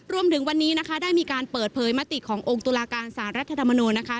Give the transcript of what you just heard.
รวมถึงวันนี้นะคะได้มีการเปิดเผยมติขององค์ตุลาการสารรัฐธรรมนูลนะคะ